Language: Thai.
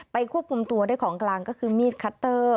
ควบคุมตัวได้ของกลางก็คือมีดคัตเตอร์